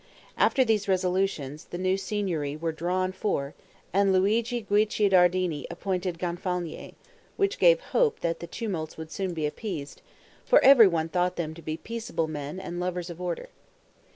After these resolutions, the new Signory were drawn for, and Luigi Guicciardini appointed Gonfalonier, which gave hope that the tumults would soon be appeased; for everyone thought them to be peaceable men and lovers of order.